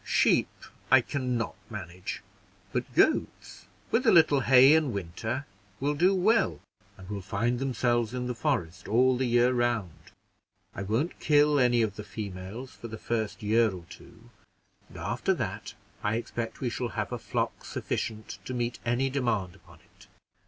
Sheep I can not manage, but goats, with a little hay in winter, will do well, and will find themselves in the forest all the year round. I won't kill any of the females for the first year or two, and after that I expect we shall have a flock sufficient to meet any demand upon it."